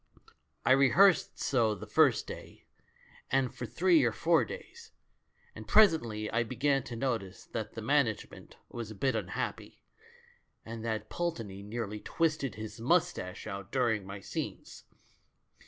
I rehearsed so the first day, and for three or four days, and presently I began to notice that the Management was a bit unhappy, and that Pul A VERY GOOD THING FOR THE GIRL 31 teney nearly twisted his moustache out during my scenes.